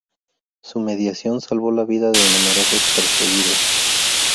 Su mediación salvó la vida de numerosos perseguidos.